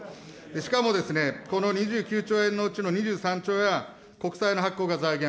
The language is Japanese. しかもですね、この２９兆円のうちの２３兆円は、国債の発行が財源。